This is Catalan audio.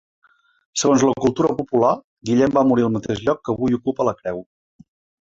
Segons la cultura popular, Guillem va morir al mateix lloc que avui ocupa la creu.